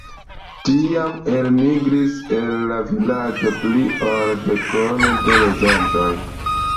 Tiam elmigris el la vilaĝo pli ol dekono de loĝantoj.